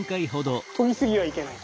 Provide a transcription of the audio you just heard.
とぎすぎはいけない。